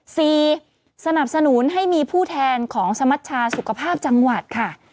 สนับสนุนให้มีผู้แทนของสมัชชาสุขภาพจังหวัดค่ะ